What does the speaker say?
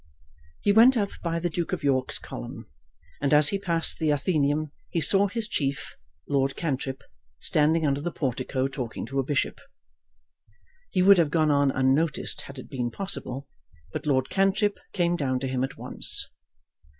He went up by the Duke of York's column, and as he passed the Athenæum he saw his chief, Lord Cantrip, standing under the portico talking to a bishop. He would have gone on unnoticed, had it been possible; but Lord Cantrip came down to him at once.